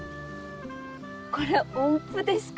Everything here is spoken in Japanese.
これ音符ですか？